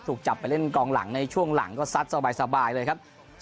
ถูกจับไปเล่นกองหลังในช่วงหลังก็ซัดสบายเลยครับ